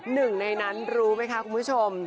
หนึ่งในนั้นรู้ไหมคะคุณผู้ชม